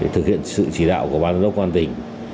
thực hiện sự chỉ đạo của ban giám đốc công an tỉnh